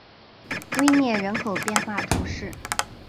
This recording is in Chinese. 威涅人口变化图示